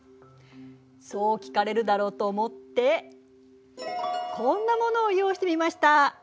そう聞かれるだろうと思ってこんなものを用意してみました。